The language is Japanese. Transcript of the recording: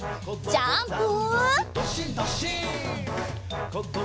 ジャンプ！